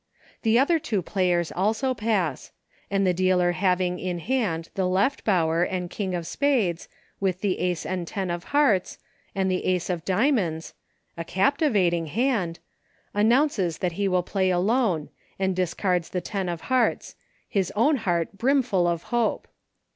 The other two players also pass, and the dealer having in hand the Left Bower and King of spades, with the Ace and ten of hearts, and the Ace of diamonds — a captiva ting hand — announces that he will Play Alone, and discards the ten of hearts — his own heart brimful of hope.